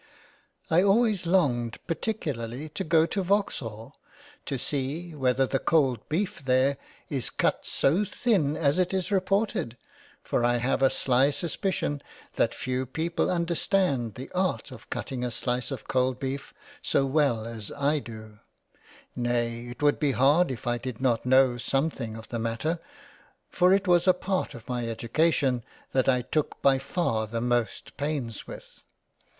I always longed particu larly to go to Vaux hall, to see whether the cold Beef there is cut so thin as it is reported, for I have a sly suspicion that few people understand the art of cutting a slice of cold Beef so well as I do : nay it would be hard if I did not know some thing of the Matter, for it was a part of my Education that I took by far the most pains with.